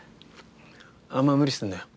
あんま無理すんなよ。